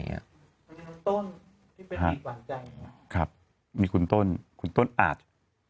วัดไหนอ่ะมีคุณต้นคุณต้นอาจ